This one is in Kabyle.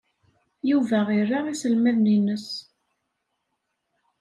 Yuba ira iselmaden-nnes.